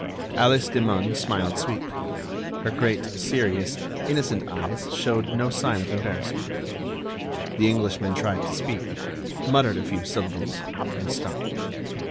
Alice Demun smiled sweetly; her great serious, innocent eyes showed no sign of embarrassment. The Englishman tried to speak, muttered a few syllables, and stopped.